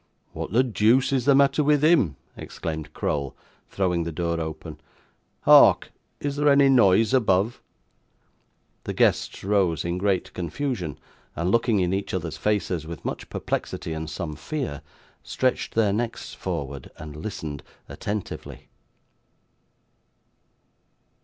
'What the deuce is the matter with him?' exclaimed Crowl, throwing the door open. 'Hark! Is there any noise above?' The guests rose in great confusion, and, looking in each other's faces with much perplexity and some fear, stretched their necks forward, and listened attentively.